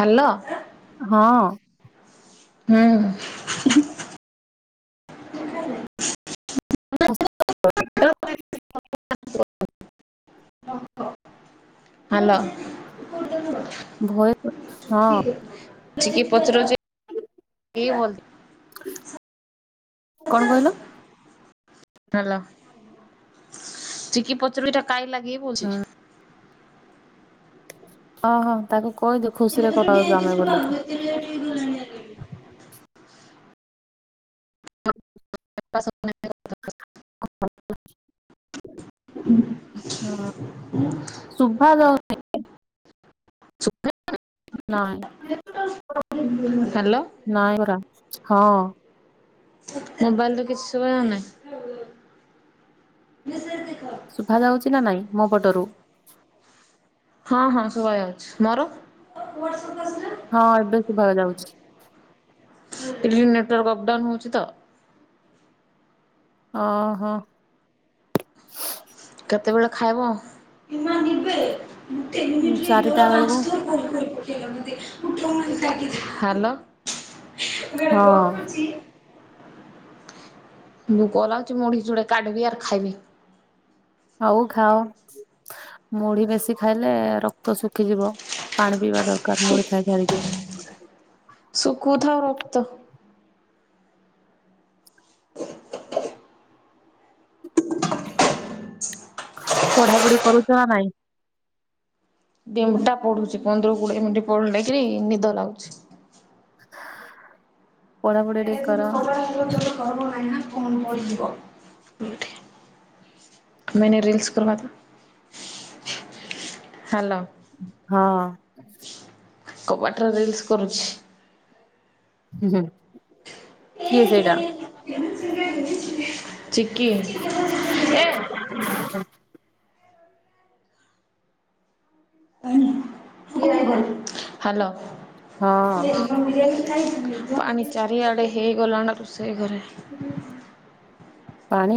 Hello. ହଁ। ହୁଁ। Hello. ଭୟ କରୁ ଚି ହଁ । ପତ୍ରଛି [unintelligible] ଏ ହୁଅନ୍ତି। କଣ କହିଲ? ହେଲା ଚିକି ପଚୁର ପିଠା କାଇ ଲାଗ [unintelligible] କିଏ ପୋଛି [unintelligible] ଓହୋ ତାକୁ କହିଦେ ଖୁସିରେ କଥା ହଉଛୁ ଆମେ ବୋଲିକି? [inaudible] ସାତ [unintelligible] ଶୁଭା ଯାଉ [inaudible] ସୁଖ [unintelligible] ନାଇଁ। ହାଲୋ। ନାଇଁ ପରା ହଁ। ମୋବାଇଲ୍ ରେ କିଛି ଶୁଭାଯାଉ ନାହିଁ। ଶୁଭା ଯାଉଛି ନା ନାହିଁ ମୋ ପଟରୁ? ହଁ ହଁ ସଭାଇ ଅଛି ମୋର? ହଁ ଏବେ ଶୁଭା ଯାଉଛି । ଅବ ଡାଉନୁ ହଉଚିତ । ହ ହୋ। କେତେବେଳେ ଖାଇବ ଆଉ। ନିେି ଗ ଚାରିଟା ବେଳକୁ [unintelligible] ହାଲେଓ। ହଁ [unintelligible] ଆଉ ଖାଅ ମୁଢି ବେଶୀ ଖାଇଲେ ରକ୍ତ ଶୁଖିଯିବ ପାଣି ପିଇବା ଦରକାର ମୁଢି ଖାଇ ସାରିକି। ସୁକୁଥାଉ ରକ୍ତ। [inaudible] ପଢ଼ାପଢ଼ି କରୁଛ ନା ନାଇଁ। [inaudible] ଦଟା ପଡୁଛି ପନ୍ଦର କୋଡିଏ ମିନିଟ ପଢ ନେଇକ ନିଦ ଲାଗୁଛି। [unintelligible] [inaudible] ପଢାପଢି ଟିକ କର। [unintelligible] ଆମେ ଅଇକା ରିଲ୍ସ କରିବା ତ [inaudible] ହାଲୋ। ହଁ। କବାଟରେ ରିଲ୍ସ କରୁଛି। ହୁଁ ହୁଁ [inaudible] କିଏ ସେଇଟା? [inaudible] ଚିକି ଏ ହାଲୋ ହଁ । ପାଣି ଚାରି ଆଡେ ହେଇ ଗଲା ନା ସେଇ ଘରେ। ପାଣି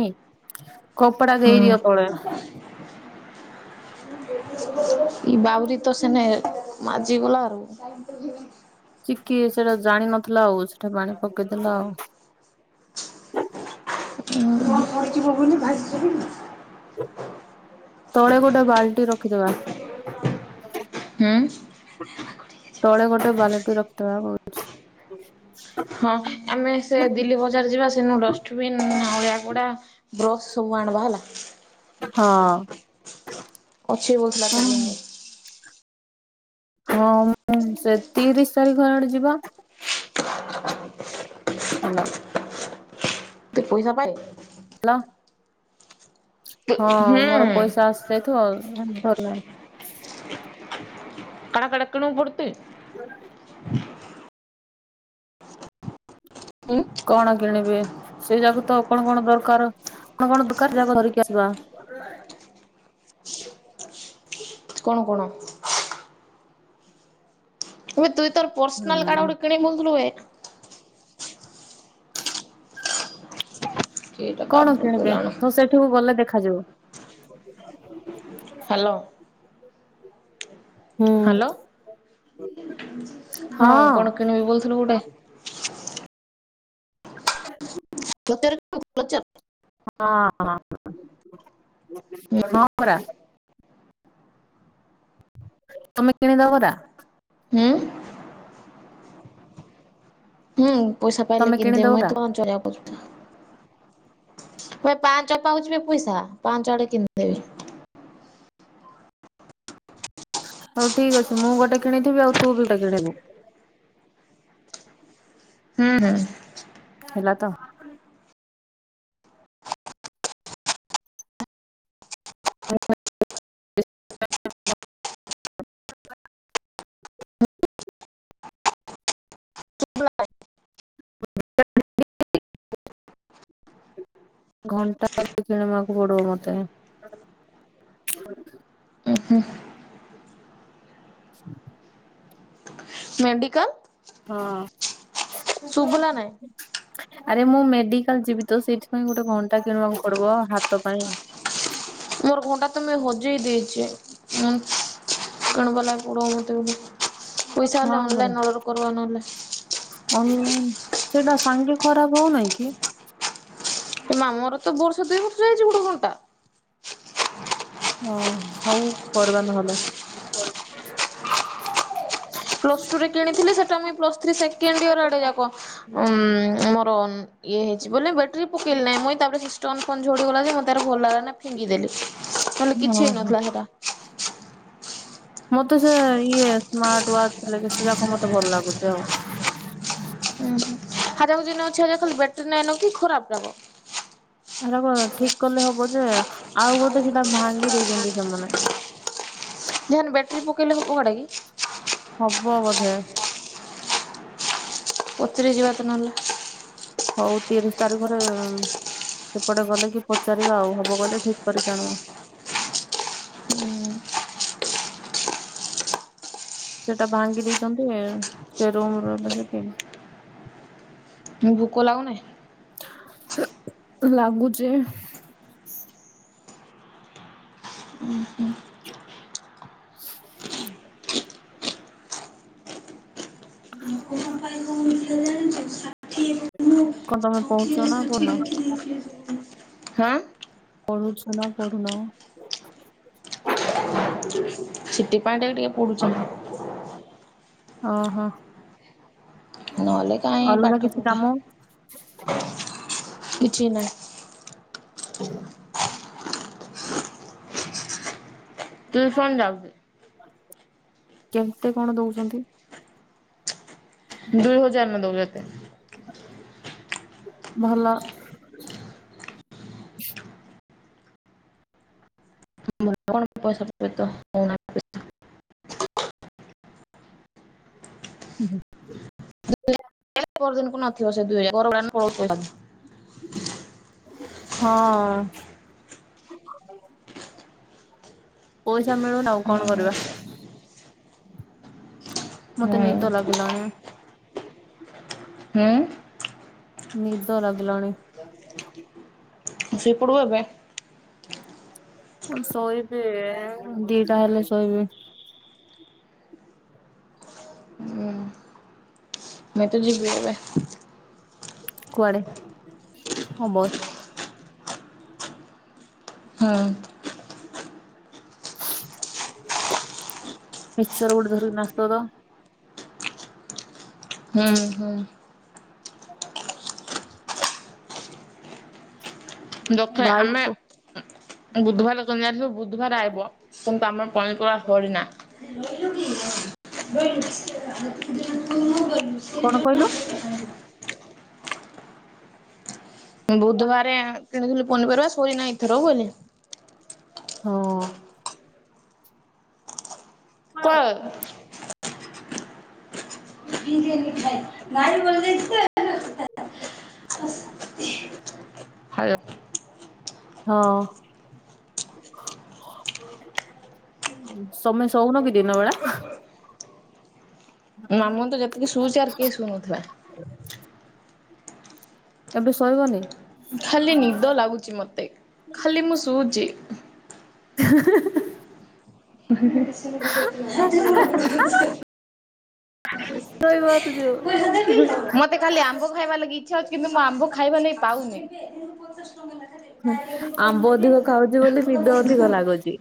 କପଡା ଦେଇଦିଅ ହଁ। ତଳେ। ଏଇ ବାଉରୀ ତ ସେନେ ମାଜିିଗଲା ଆଉ ଚିକି ସେଟା ଜାଣିିନଥିଲା ଆଉ ସେଠା ପାଣି ପକେଇଦେଲା ଆଉ [inaudible] [unintelligible] ତଳେ ଗୋଟେ ବାଲଟି ରଖିଦବା। ହୁଁ। ତଳେ ଗୋଟେ ବାଲଟି ରଖୀଦେବା ବହୁ ହଁ ଆମେ ସେ ଦିଲ୍ଲୀ ବଜାର ଯିବା। ସେନୁ ଡଷ୍ଟବିନ ଅଳିଆ କୁଡା ବ୍ରସ୍ ସବୁ ଆଣ ବା ହେଲା । ହଁ। ପଛରେ ବସିଲା ଏତେ ଦିନରେ ହଁ ମୁଁ ସେ ତିରିଶ ତାରିଖ ଆଡେ ଯିବା। ହାଲୋ। ତ ପଇସା ପାଇଲୁ। ହେଲା ହଁ ହୁଁ ମୋର ପଇସା ଆସିଯାଇଥିବ ଆଉ ଧରିବାନି। [unintelligible] ଟେ। [inaudible] ଉଁ କଣ କିଣିବେ ସେଇ ଯାଗା ତ ଆପଣ କଣ କଣ ଦରକାର କଣ କଣ ଦରକାର ଯାଗା ଧରିକି ଆସିବା। [inaudible] କଣ କଣ? ଏବେ ତୁଇ ତୋର ପର୍ସନାଲ କାର୍ଡ ହୁଁ ଗୋଟେ କିଣିନଥିଲୁ ବେ? କିଟା କଣ ବାବୁ କିଣିବେ କଲାଣ ତ ସେଠିକୁ ଗଲେ ଦେଖ୍ ଆଜି ହାଲୋ। ହୁଁ ହାଲୋ ହଁ କଣ କିଣିବୁ କହିଥିଲୁ ଗୋଟେ? ସତରେ କିଣିବୁ କ୍ଲଚର? ହଁ ହଁ ହଁ ପରା। ତମେ କିଣିଦବ ଅଦା। ଉଁ? ହୁଁ। ପଇସା ପାଇଲେ ତମେ କିଣିଦବ କିଣିଦେମୁ ପରା। ଏତ। [unintelligible] ମୁଇଁ ପାଞ୍ଚ ପାଉଚି ବେ ପଇସା ପାଞ୍ଚ ଆଡେ କିଣିିଦେବି। ହୋଉ ଠିକ ଅଛି ମୁଁ ଗୋଟେ କିଣିଥିବି ଆଉ ତୁ ବି ଗୋଟେ କିଣିବୁ। ହୁଁ ହୁଁ। ହେଲା ତ? [inaudible] [inaudible] ଘଣ୍ଟା ଗୋଟେ କିଣିବାକୁ ପଡବ ମତେ। ଉଁ ହୁଁ ମେଣ୍ଡିିକାଲ ହଁ। ନାଇଁ ଆରେ ମୁଁ ମେଡିକାଲ ଯିବି ତ ସେଇଥିପାଇଁ ଗୋଟେ ଘଣ୍ଟା କିଣିବାକୁ ପଡ୍ ବ ହାତ ପାଇଁ। ମୋର ଘଣ୍ଟା ତ ମୁଇଁ ହଜେଇ ଦେଇଚି। ଉଁ କଣ ଗଲା ଗୁଡ ତୁବି ପଇସା ହେଲେ ହଁ ପରା ଅନଲାଇନରୁ ଅର୍ଡର କର୍ବା ନହେଲେ। ସେଟା ସାଙ୍ଗେ ଖରାପ ହୋଉନାଇଁ କି? ଏ ମାମୁଘର ତ ବର୍ଷେ ଦୁଇ ବର୍ଷ ଯାଇ ଚୋଉଦ ଘଣ୍ଟା ଅଁ ହୋଉ କରିବା ନହେଲେ। ପ୍ଲସ ଟୁ ରେ କିଣିଥିଲି ସେଟା ମୁଇଁ ପ୍ଲସ୍ ଥ୍ରି ସେକେଣ୍ଡ ଇୟର୍ ଆଡେ ଯାକ ଉମ୍ ମୋର ଇଏ ହେଇଚି ବୋଲି ବେଟ୍ରି ପକେଇଲି ନାଇଁ ମୁଇଁ ତାପରେ ସି ଷ୍ଟୋନ୍ ଫୋନ୍ ଝଡି ଗଲା ଯେ ମତେ ଆର୍ ଭଲ ଲାଗଲା ନାଇଁ ଫିଙ୍ଗିଦେଲି ନହଲେ କିଛି ଓହୋ ହେଇନଥିଲା ହେଟା। ମତେ ସେ ଇଏ ସ୍ମାର୍ଟ ୱାଚ ଲେଖିଥିଲା ତ ମତେ ଭଲ ଲାଗୁଛି ଆଉ। ହଜାହୁଜି ନ ଅଛି ହେଲେ ଖାଲି ବ୍ୟାଟ୍ରି ନାଇନ କି ଖରାପରା ଗୋ? ଏରାକ ଠିକ କଲେ ହବ ଯେ ଆଉ ଗୋଟେ ସେଟା ଭାଙ୍ଗି ଦେଇଛନ୍ତି ସେମାନେ ଯେ ହାନ ବ୍ୟାଟରି ପକେଇଲେ ହେବ କାଡ଼ା କି? ହବ ବୋଧେ। ପଚରେଇ ଯିବା ତ ନହେଲେ। ହଉ ତିରିଶ ତାରିଖରେ ସେପଟେ ଗଲେ କି ପଚାରିବା ଆଉ ହବ ଗଲେ ଠିକ କରିକି ଆଣିବା। ସେଟା ଭାଙ୍ଗି ଦେଇଛନ୍ତି ସେ ରୁମର [unintelligible] [inaudible] ଲାଗୁନାଇ। ଲାଗୁଚି। ହୁଁ। [inaudible] କଣ ତମେ ପହୁଛ ନାଁ କଣ? ହଁ। ପଢ଼ୁଛନା ପଢ଼ୁନ? ସିଟି ପାଣ୍ଡେ ଏବେ ଟିକେ ପାଡୁଚେ । ଅ ହୋ। ନହେଲେ କାହିଁ ପାଠ କିଛି ପଢା କାମ କିଛି ନାହିଁ। [inaudible] ଟିୟୁସନ ଯାଉଚି କେନ୍ତେ କଣ ଦଉଛନ୍ତି। ଦୁଇ ହଜାର ନୁ ଦଉଛନ୍ତି। ଭଲ। ଭଲ କଣ ମତେ ପଇସା ପତ୍ର ଏତେ ହେଉନାହିଁ। ହୁଁ। [inaudible] ପରଦିନକୁ ନଥିବ ସେ ଦୁଇ ହଜାର ଘର ଭଡ଼ା ପଳଉଛି ପଇସା ହଁ। [inaudible] ଯାହା ମିଳୁ ଆଉ କଣ କରିବା? ହୁଁ ମତେ ନିଦ ଲାଗିଲାଣି। ହୁଁ ନିିଦ ଲାଗିଲାଣି। ସେପଟୁ ଏବେ ମୁଁ ଶୋଇବି ଦିଟା ହେଲେ ଶୋଇବି। ମିତ ଯିବି ଏବେ। କୁଆଡେ ହଁ ବ ହୁଁ। ମିକ୍ସଚର ଗୋଟେ ଧାରିକିନା ଆସିଥିବ ତ। ହୁଁ ହୁଁ ଦକ୍ଷୟା ଭାଇ ଆମେ ବୁଧବାର କ ଆବୁ ବୁଧବାର ଆଇବ କିନ୍ତୁ ପନିପରିବା ସରିନା [inaudible] କଣ କହିଲ? ବୁଧବାର କିଣିଥିଲୁ ପନିପରିବା ହୋଇନାହିଁ ଏଥର ହୁଏନି ହଁ। କୁଆଲେ ହୁଁ ହୁଁ। ଲାଇନି ପଳେଇ ଯାଇଛି ଯେ [inaudible] ହାଲୋ ହଁ ତମେ ଶୋଉନ କି ଦିନ ବେଳା? ମାମୁନ ତ ଯେତିକି ଶୁଉଛି ଆର କିଏ ଶୁ ନଥିବେ। ଏବେ ଶୋଇବନି? ଖାଲି ନିଦ ଲାଗୁଛି ମୋତେ ଖାଲି ମୁଁ ଶୁଉଛି। [inaudible] [inaudible] ରଇ ବାତ ଯଉ। ମତେ ଖାଲି ଆମ୍ବ ଖାଇବା ଲାଗି ଇଚ୍ଛା ହଉଛି କିନ୍ତୁ ମୁଁ ଆମ୍ବ ଖାଇବା ଲାଗି ପାଉନି। ଆମ୍ବ ଅଧିକ ଖାଉଛି ବୋଲି ନିଦ ଅଧିକ ଲାଗୁଛି।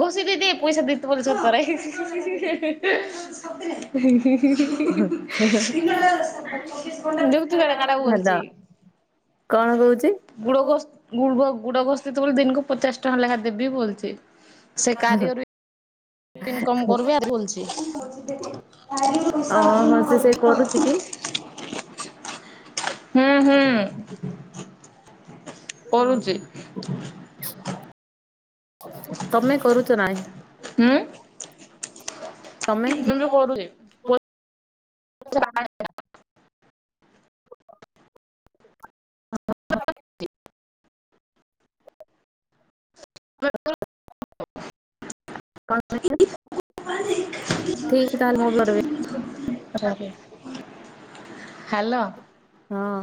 ଘୋସି ଦିଦି ଏ ପଇସା ବିତ୍ ବଲ୍ ପରେ। [inaudible] [unintelligible] ଗୁଡ଼ ଘୋଷ ତୋତେ ବୋଲ ଦିନକୁ ହାଲୋ ପଚାଶ କଣ କହୁଛି? ଟଙ୍କା ଲେଖା ଦେବୀ ବୋଲଛି। ସେ କାର୍ଯ ରୁ ଇନକମ୍ କରବେ। ହୁଁ ଓହୋ ସେ ସେ କରୁଛି କି ହୁଁ। କରୁଚି? ତମେ କରୁଛ ନାଇଁ। ହୁଁ। ତମେ ମୁଁ ବି କରୁଚି। [inaudible] [inaudible] ହ। କଣ କହିଲେ? ଠିକ ତାହାଲେ ମୁଁ ବି [unintelligible] ହାଲୋ। ହଁ।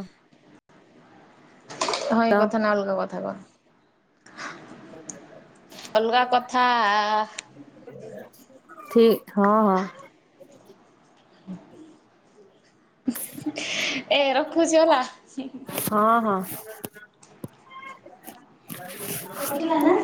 ହଁ ଏଇ ତ କଥା ନା ଅଲଗା କ ଥାବ କଥା ଠିକ ହଁ ହଁ। [unintelligible] ଏ ରଖୁଛି ହେଲା। ହଁ [inaudible] କଟିଲା ନା।